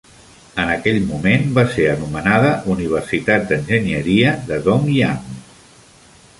En aquell moment va ser anomenada Universitat d'Enginyeria de Dongyang.